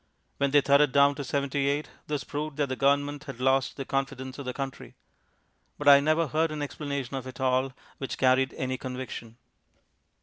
When they thudded down to 78, this proved that the Government had lost the confidence of the country. But I never heard an explanation of it all which carried any conviction.